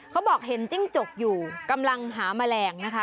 เขาบอกเห็นจิ้งจกอยู่กำลังหาแมลงนะคะ